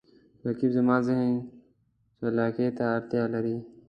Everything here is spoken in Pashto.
رقیب زما د ذهن چالاکي ته اړتیا لري